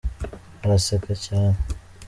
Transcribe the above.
araseka cyane.